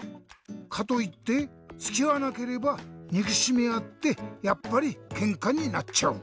かといってつきあわなければにくしみあってやっぱりケンカになっちゃう。